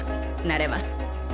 なれます。